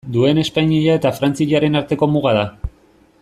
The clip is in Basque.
Duen Espainia eta Frantziaren arteko muga da.